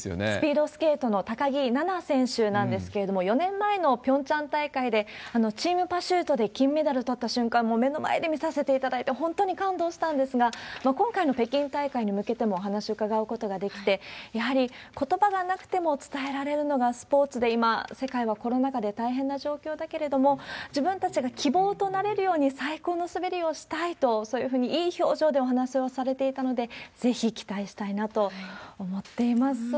スピードスケートの高木菜那選手なんですけれども、４年前のピョンチャン大会で、チームパシュートで金メダルとった瞬間、もう目の前で見させていただいて、本当に感動したんですが、今回の北京大会に向けてもお話を伺うことができて、やはり、ことばがなくても伝えられるのがスポーツで、今、世界はコロナ禍で大変な状況だけれども、自分たちが希望となれるように、最高の滑りをしたいと、そういうふうにいい表情でお話をされていたので、ぜひ期待したいなと思っています。